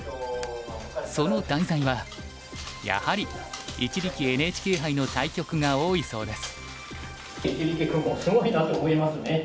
その題材はやはり一力ＮＨＫ杯の対局が多いそうです。